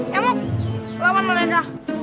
nyamuk lawan memegah